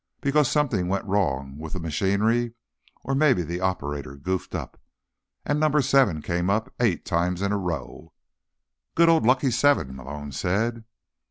"Because something went wrong with the machinery, or maybe the operator goofed up. And number seven came up eight times in a row." "Good old lucky seven," Malone said.